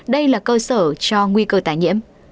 đây là cơ sở cho nguy cơ tải nhiễm